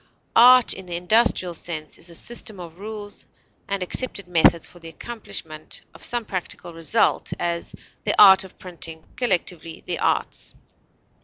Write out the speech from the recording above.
Art in the industrial sense is a system of rules and accepted methods for the accomplishment of some practical result; as, the art of printing; collectively, the arts.